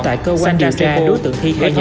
tại cơ quan điều tra đối tượng thi khai nhận